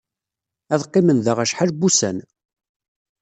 Ad qqimen da acḥal n wussan.